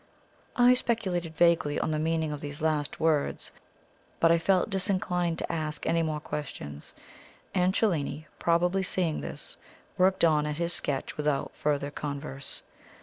I speculated vaguely on the meaning of these last words, but I felt disinclined to ask any more questions, and Cellini, probably seeing this, worked on at his sketch without further converse.